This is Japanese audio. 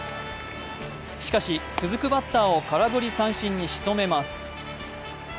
しかし、続くバッターを空振り三振に仕留めます。